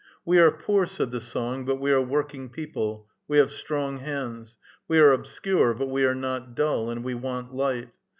*' We are poor," said the song, '* but we are working people ; we have strong hands. We are obscure, but we are not dull, and we want light.